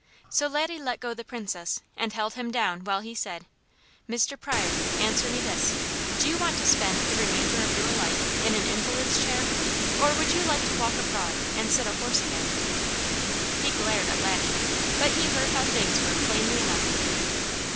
So Laddie let go the Princess, and held him down while he said: "Mr. Pryor, answer me this. Do you want to spend the remainder of your life in an invalid's chair, or would you like to walk abroad and sit a horse again?" He glared at Laddie, but he heard how things were plainly enough.